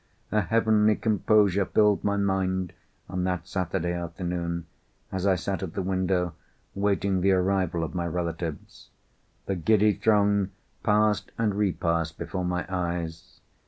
A heavenly composure filled my mind, on that Saturday afternoon, as I sat at the window waiting the arrival of my relatives. The giddy throng passed and repassed before my eyes.